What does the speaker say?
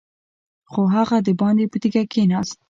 خو هغه دباندې په تيږه کېناست.